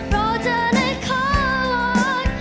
โปรดเธอนักขวด